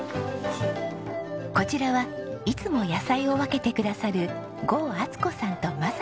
こちらはいつも野菜を分けてくださる郷享子さんと多次さんです。